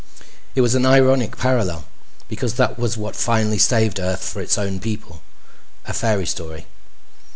It was an ironic parallel, because that was what finally saved Earth for its own people. A fairy story.